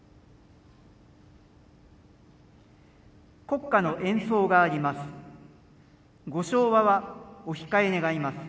国歌の演奏があります。